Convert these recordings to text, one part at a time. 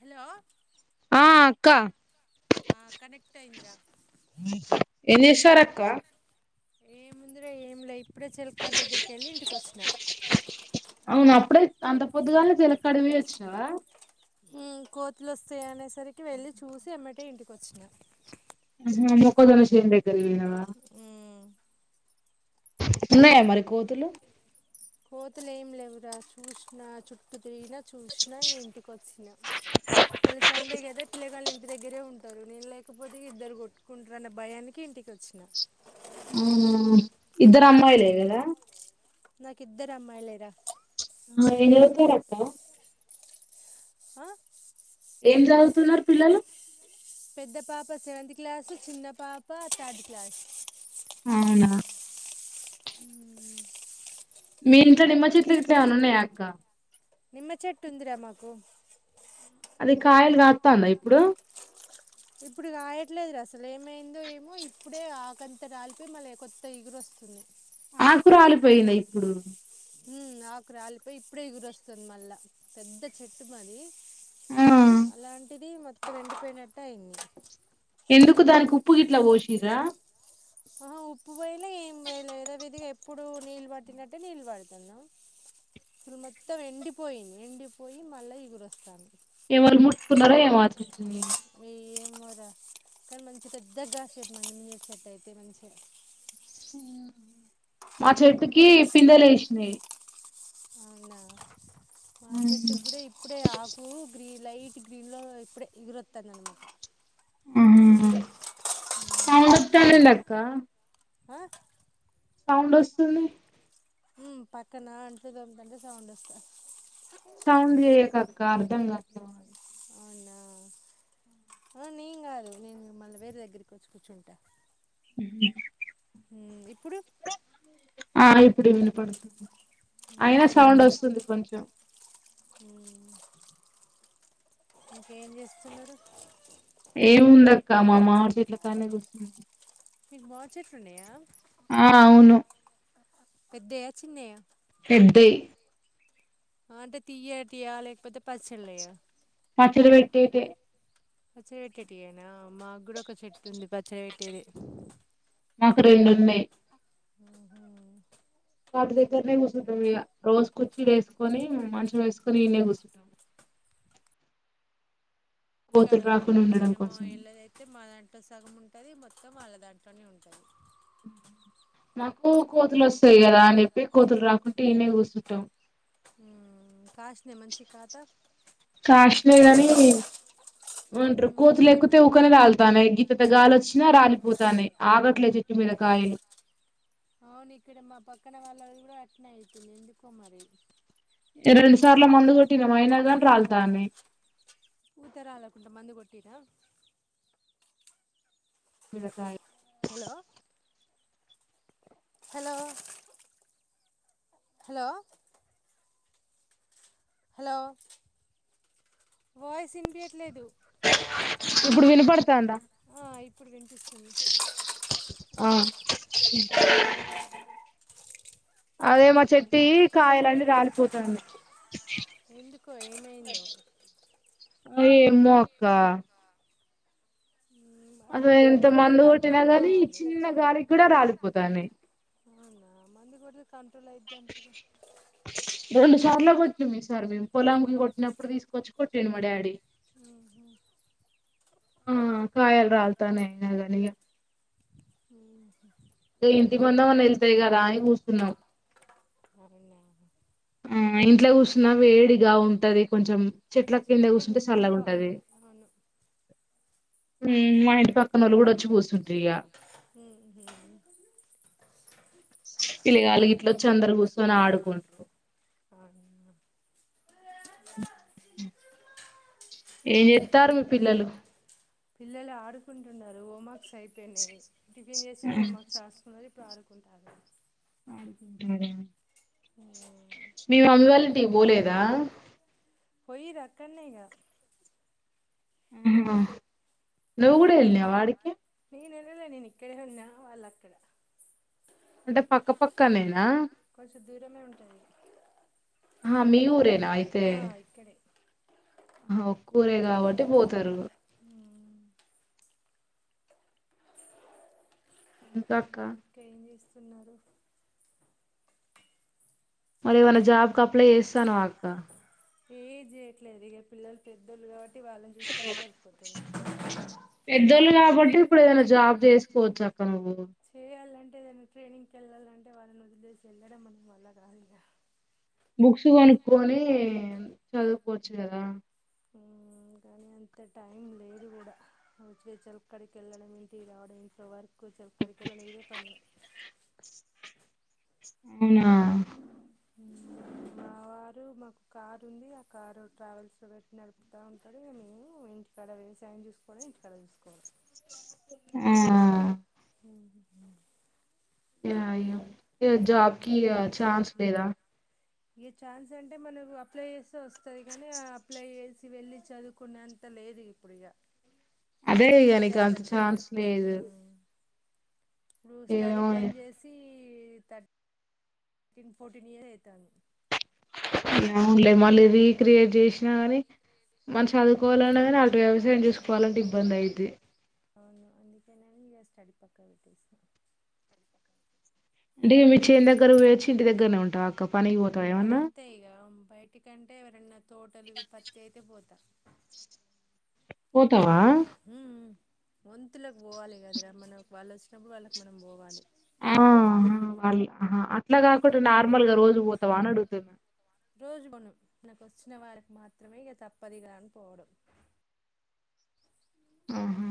Hello ఆ అక్క ఆ కనెక్ట్ అయ్యింది రా ఏంచేసరక్క ఏముంది రా ఏం లే ఇప్పుడే చెలకాడ దగ్గరికి వెళ్ళి ఇంటికి వచ్చిన అవున అప్పుడే అంత పొద్దుగాల్నే జలకాడికిపోయి వచ్చినావా ఉమ్ కోతులొస్తయనేసరికి వెళ్ళి చూసి అమ్మటే ఇంటికొచ్చినా ఉమ్ హు మొక్కజొన్నల చేను దగ్గరకి పోయినవ ఉన్నాయ మరి కోతులు కోతులు ఏం లేవురా చూసిన చుట్టూ తిరిగిన చూస్న ఇంటికొచ్చిన ఇవాళ సండే కదా పిలగాల్లిం ఇంటి దగ్గరే ఉంటారు నేను లేకపోతే ఇద్దరు కొట్టుకుంటారనే భయానికి ఇంటికొచ్చిన ఉమ్ ఇద్దరమ్మాయిలే కదా నాకిద్దరమ్మాయిలేరా ఆ ఏం సదువుతరక్క ఆ ఏం చదువుతున్నరు పిల్లలు పెద్ద పాప సెవెంత్ క్లాస్ చిన్న పాప థార్డ్ క్లాస్ అవునా ఊ మ్ మీ ఇంట్లో నిమ్మ చెట్లు గిట్ల ఏమన్న ఉన్నాయాక్క నిమ్మ చెట్టుందిరా మాకు అది కాయలు కాత్తాంద ఇప్పుడూ ఇప్పుడు కాయట్లేదురా అసలు ఏమైందో ఏమో ఇప్పుడే ఆకంత రాలిపోయి మళ్ళీ కొత్తగిగురొస్ స్తుంది ఆకురాలిపోయింద ఇప్పుడు ఉమ్ ఆకు రాలిపోయి ఇప్పుడే ఇగురొస్తుంది మళ్ళా పెద్ద చెట్టు మాది ఆ అలాంటిది మొత్తం ఎండిపోయినట్టయింది ఎందుకు దానికి ఉప్పు గిట్లా పోషిర్ర ఆహా ఉప్పు పోయలే ఏం పోయలే విదిగా ఎప్పుడు నీళ్ళు పట్టినట్టే నీళ్ళు పడుతున్నా ఇప్పుడు మొత్తం ఎండిపోయింది ఎండిపోయి మళ్ళా ఇగురొస్థాంది ఎవలు ముట్టుకున్నారో ఏమో అ చెట్టుని కదా కానీ మంచి పెద్దగా కాసేవి మా నిమ్మ చెట్టయితే మంచిగ మా చేట్టుకి పిందలేసినయి అవునా మా చెట్టు కూడ ఇప్పుడే ఆకు గ్రీన్ లైట్ గ్రీన్ లో ఇప్పుడే ఇగురోత్తంది అని మాట హా సౌడ్ వత్తవేందక్క ఆ సౌండ్ ఒస్తుంది ఉమ్ పక్కన అంట్లుతోముతుంటే సౌండ్ ఒస్తుంది సౌండ్ చేయకక్క అర్థంకాట్ల అవునా ఆ నేన్ కాదు నేను మళ్ళ వేరే దగ్గరికి వచ్చి కూర్చుంటా ఉమ్ హు ఉమ్ ఇప్పుడు ఆ ఇప్పుడు వినపడుతుంది అయినా సౌండ్ వస్తుంది కొంచెం ఉమ్ ఇంకేం చేస్తున్నారు ఎముందక్కా మా మామిడి చెట్ల కాడ్నే గుచున్న మీక్ మామిడ్చేట్లున్నాయ? ఆ అవును పెద్దయా చిన్నయా పెద్దై ఆ అంటె తీయటియా లేకపోతే పచ్చళ్ళయా పచ్చడ పెట్టేటె పచ్చడి పెట్టేటియేనా మా గుడ ఒక చెట్టు ఉంది పచ్చడి పెట్టేదే మాకు రెండున్నయి ఆహా వాటి దగ్గరనే కూసుంటం ఇగ రోజు కుర్చీలు వేస్కొని మంచం ఏస్కొని ఇడ్నే కూసుంటం కడ కోతులు ఉంది రాకుండా మా ఉండడం చిన్నమ్మ కోసం వాళ్ళద్ అయితే మా దాంట్లో సగం ఉంట ది మొత్తం ఆళ్ళ దాంట్లోనే ఉంటది. మాకు కోతులు వస్తయి కదా అని చెప్పి కోతులు రాకుంటే ఈన్నే కూసుంటం ఉమ్మ్ కాష్నై మంచి కాత లేదని ఉంట్రు కోతులు ఎక్కుతే ఒకొనే రాళ్తనై గి పెద్ద గాల్లొచ్చినా రాలిపోతానై ఆగట్లే చెట్టు మీద కాయలు అవును ఇక్కడ మా పక్కన వాళ్ళది కూడా అట్నే అయితుంది ఎందుకో మరి రెండు సార్ల మందు కొట్టినం అయినా గానీ రాల్తాన్నై పుతరాలకుంట మందు కొట్టిర్ర మీద కాయ hello hello hello hello voice ఇన్పియట్లేదు ఇప్పుడు వినపడతాందా హ ఇప్ ఇప్పుడు వినిపిస్తుంది. ఆ ఉమ్ అదే మా చెట్టియి కాయలన్నీ రాలిపోతన్నయ్ ఎందుకో ఏమైందో అ ఏమ్మో అక్క అసలు అసల్ ఎంత కొడితే మందు కొట్టినా కంట్రోల్ గానీ కావాలి చిన్నగాలికి కూడా రాలిపోతన్నయి. అవునా మందు కోడ్ రెండు సార్లు కొట్నం ఈ సారి మేమ్ పొలాంగ్ కొట్టినప్పుడు తీస్కొచ్చ్ కొట్టిండు మా డ్యాడి ఉహు ఆ కాయల్ రాల్తనై గానీ గ ఉమ్మ్ హు ఇగ ఇంటి మందమన్న ఎల్తయ్ కదా అని కూసున్నాం అవునా ఉమ్ ఇంట్లో కూసున్న వేడిగా ఉంటది కొంచెం చెట్ల కింద చెట్టు కూసుంటె అయితేనే సల్లగుంటది బాగుంటది అవును ఉమ్ మా ఇంటి పక్కన్ఒళ్ళు కూడా ఒచ్చి కేసుంట్రుగా ఉహు పిల్లిగాలు గిట్ల ఒచ్చి అందరు కూసోని ఆడ్కుంట్రు అవునా ఏం జెతార్ మీ పిల్లలు పిల్లలు ఆడుకుంటున్నారు హోమ్ వర్క్స్ అయిపోయినై టిఫిన్ చేస్తుర్రు హోమ్ వర్క్స్ రాస్కున్నారు ఇప్ ఇప్పుడ్ ఆడుకుంటాను ఊమ్ మీ మమ్మీ వాళ్ళంటికి పోలేదా పోయిర్రా అక్కడనే ఇగ ఆహా ఆ నువ్ గూడ ఎళ్ళినవ అడికే లేద్ లె నేనిక్కడే ఉన్నా వాళ్ అక్కడున్న అంటె పక్క పక్కనేనా కొంచెం దూరమే ఉంటది హా మీ ఊరే ఆ ఇక్కడే హా ఒక్కురే కాబట్టి పోతారు ఇంకా అక్క అ ఇంకా ఏం జేస్తున్నారు మరెమన్న జాబ్ కు అప్లై జేస్తానవక్క ఏద్ జేయట్లేద్ ఇగ పిల్లల్ పెద్దోళ్లు గాబట్టి వాళ్ళన్ చూస్కోడమె జరిపోతది పెద్దోళ్ళు కాబట్టి ఇప్పుడు ఏదైనా జాబ్ చేసుకోవచ్చు అక్క నువ్వు చేయాలంటే ఏదైనా ట్రైనింగ్ కేళ్ళాలంటే వాళ్ళనోద్లేసి ఎళ్ళడం మన వల్ల కాద్ ఇంక బుక్స్ గోనుక్కొని చదువ్కోవచ్చు కదా ఊ మ్ కానీ అంత టైం లేదు గూడా వచ్చి చెల్లకాడికి కెళ్ళడం ఇంటి రావడం ఇంట్లో వర్క్ చ ఎక్కడ్కేల్లని ఇదే పని అవ్నా మ్ మావారు మాక్ కార్ ఉంది ఆ కారు ట్రావెల్స్ లొ పెట్టీ నడ్పుతా ఉంటాడు ఇగ మేము ఇంటికాడ వ్యవసాయం చూస్ కోడే ఇంటికాడ చూస్కోవలె ఆ ఉమ్ య ఇగ జాబ్కి ఇగ ఛాన్స్ లేదా ఏ ఛాన్స్ అంటే మనము అప్లై జేస్తే వస్తది కానీ ఆ అప్లై జే అంటె వెళ్ళి చదుకునే అంత లేదు ఇప్పుడు ఇగ అదే ఇగ నీకు అంత ఛాన్స్ లేదు ఆలోచనలు ఇప్పుడు స్టడీ ఏమో బంద్ జేసి థర్ తర్టీన్ ఫోర్టీన్ ఇయర్ ఐతాంది అవును లే మళ్ళీ రీక్రియేట్ జేస్నా గానీ మన్ చదువుకోవాలన్న గాని అటు వ్యవ్సాయం చేస్ పోవాలంటే ఇబందైద్ది అవ్ను అందుకనే నేన్ ఇగ స్టడీ పక్కన్ పెట్టేసా అంటే ఇగ మీ చేన్ దగ్గర్ వొయచ్చి ఇంటి దగ్గర్నే ఉంటావక్క పనికి వోతావా ఏమన్నా అన్న తోటలు పత్తైతే పోతా పోతవా హూ వంతులక్ వోవాలే కద్రా మనక్ వాళ్ళచ్చినప్పుడ్ వాళ్ళక్ మనం పోవాలే ఆ వాళ్ అహ అట్లా గకుంట నార్మల్గా రోజు పోతావా అన్ అడుగ్తున్నా రోజు పొను మనకొచ్నిన వారికి మాత్రమే ఇగ తప్పదిగా అని పోవుడు ఆహా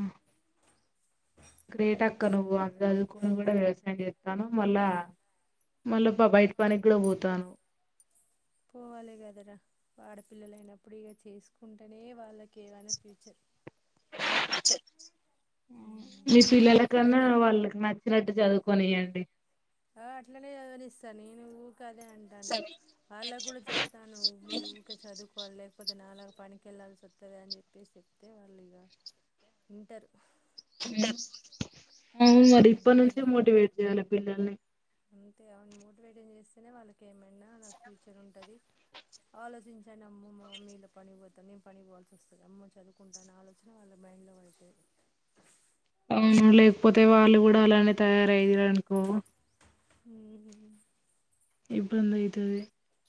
గ్రేట్ అక్క నువ్వు అందల్ కున్ గూడా వ్యవసాయం జేత్తనవ్ మళ్ళా మళ్ళా ప బైట్ పనిక్ గూడా వోతానవ్ పోవాలే గదరా ఆడపిల్లలైనప్పుడ్ ఇగ చేస్కుంటేనే వాళ్ళకేవైనా ఫ్యూచర్ మీ పిల్లలకన్నా వాళ్ళక్ న నచ్చినట్టు చదుకొనియండి ఆ అట్లనే చద్వనిస్తా నేను ఉ కదే అంటాను వాళ్ళక్ గూడా చెప్తాను మీరుకే చదుకోల్లె పోతె నాలగా పనికేళ్ళాల్సోత్తది అని చెప్పేసి చెప్తే వాళ్ళిగ ఇంటరు అవును మరి ఇప్పట్ నుంచే మోటివేట్ జేయాల పిల్లల్ని అంతే ఆలన్ మోటివేషన్ చేస్తేనే వాళ్ళకేమైనా నా ఫ్యూచర్ ఉంటది ఆలోచించాండి అమ్మో మా మమ్మి ఇళ పని పోతద్ నేన్ పనిక్ పోవాల్సోస్తది అమ్మో చదువుకుంటా అన్ ఆలోచన వాళ్ళక్ మైండ్ [unintelligible] అవును లేకపోతే వాళ్ళు గుడా అలానే తయారైర్ అన్కో ఉహు ఇబ్బంది అయితది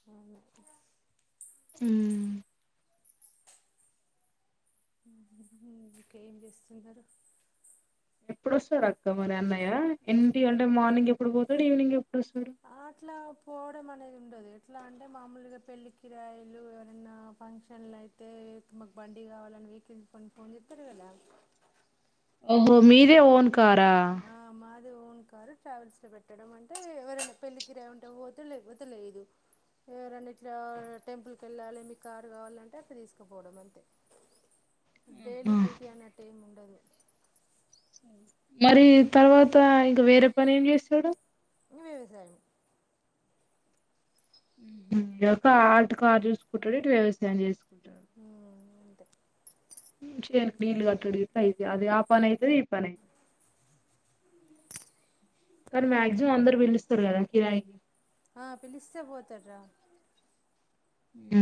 అవును మ్ ఇంకా ఏం చేస్తున్నరు ఎప్పుడోస్తారు అక్క మరి అన్నయ ఏంటి అంటే మార్నింగ్ ఎప్పుడు పోతాడు ఈవినింగ్ ఎప్పు ఆట్లా పోవడం అనేది ఉండదు ఎట్లా అంటే మామూలుగా పెళ్లి కిరాయి లు ఎవరన్నా ఫంక్షన్లు అయితే మాకు బండి కావాలని వీడెండ్ ఫోన్ ఫోన్ చెస్తారు కదా ఓహో మీదే ఓన్ కారా ఆ మాది ఓన్ కారు ట్రావెల్స్ లో పెట్టడం అంటే ఎవరైనా పెళ్ళికిరాయ్ ఉంటే పోతడు లేకపోతే లేదు ఎవరన్న ఇట్లా టెంపుల్ కి వెళ్ళాలి మీ కారు కావాలంటే అట్ల తీసుకుపోవడం అంతే డెయిలీ డ్యూటీ అన్నట్టు ఏం ఉండదు మరీ తర్వాత ఇంక వేరే పని ఏం చేస్తాడు ఇగ వ్యవసాయం ఈ ఒక ఆట కారు చూసుకుంటాడు ఇటు వ్యవసాయం చేసుకుంటాడు అంతే చేనుకి నీళ్ళ కట్టడి ఇట్లా అయితది అదే ఆ పని అయితది ఈ పని అయితది కానీ మ్యాక్సిమం అందరు పిలుస్తారు కదా కిరాయికి ఆ పిలిస్తే పోతాడురా మ్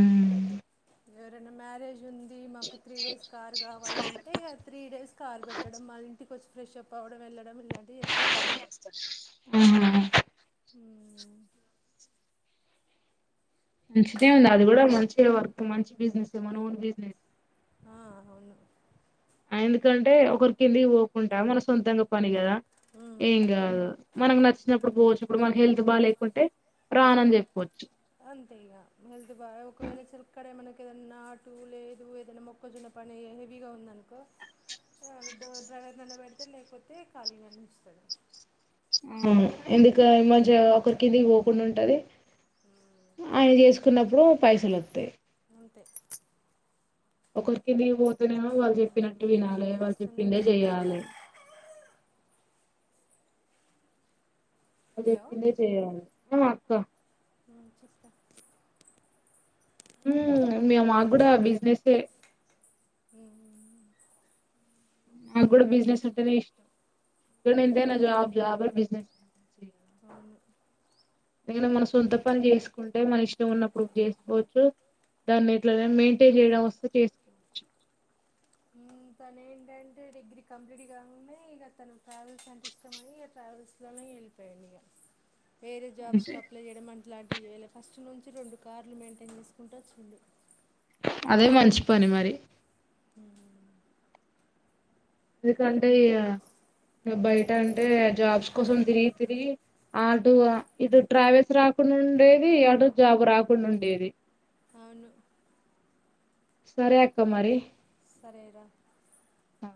ఎరన్న మ్యారేజ్ ఉంది మాకు త్రీ డేస్ కార్ కావాలంటే ఇగ త్రీ డేస్ కార్ పెట్టడం మళ్ళ ఇంటికి వచ్చి ఫ్రెష్అప్ అవడం వెల్లడం ఇలాంటివి చేస్తాడ్ ఆహా మ్ మంచిదే ఉంది అది కూడా మంచి వర్క్ మంచి బిజినెస్ మన ఓన్ బిజినెస్ ఆ, అవును ఎందుకంటే ఒకరి కిందికి పోకుంటా మన సొంతంగా పని కదా మ్మ్. ఏం కాదు మనకు నచ్చినప్పుడు పోవచ్చు ఇప్పుడు మనకి హెల్త్ బాలేకపోతే రానని చెప్పొచ్చు అంతే ఇక హెల్త్ బాగా ఒకవేళ చిలక్కాడే మనకి ఏదైనా నాటు లేదు ఏదైనా మొక్కజొన్న పని హెవీగా ఉందనుకో డ్రైవర్ని అన్న పెడుతడు లేకపోతే ఖాళీనన్నా ఉంచుతాడు ఆ ఎందుక ఈ మధ్య ఒకరి కిందికి పోకుండా ఉంటది ఆయన చేసుకున్నప్పుడు పైసలు ఒత్తయి అంతే ఒకరికిందకి పోతే నెమో వాళ్ళు మ్మ్. చెప్పినట్టు వినాలి ఇంకేం వాళ్ళు చేస్తున్నారు చెప్పిందే చెయాలి హలో చెప్పిందే జేయాలి చెప్తా మ్ మాకు కూడా బిజినెసే ఉమ్ నా కూడా బిజినెస్ ఉంటాది కానీ ఎంతైనా జాబ్ జాబే బిజినెస్ అవును ఎదో మన సొంత పని చేసుకుంటే, మన ఇష్టం ఉన్నప్పుడు చేసుకోవచ్చు దాన్ని ఎట్లనా మెయింటైన్ చేయడం వస్తే చేసుకోవచ్చు మ్ తను ఏంటంటే డిగ్రీ కంప్లీట్ గానే ఇగా తను ట్రావెల్స్ అంటే ఇష్టమని ట్రావెల్స్ లోనే వేరే జాబ్స్ కి అంతే అప్లై చేయడం ఇలాంటివిచేయలె ఫస్ట్ నుంచి రెండు కార్లు మెయింటైన్ చేసుకుంటూ వచ్చిండు అదే మంచి పని మరి మ్ ఎందుకంటే ఇగ ఇగ బయట అంటే జాబ్స్ కోసం తిరిగి తిరిగి ఆటు అ ఇటు ట్రావెల్స్ రా కుండుండేది అటు జాబు రాకుండుండేది అవును సరే అక్క మరి సరేరా అ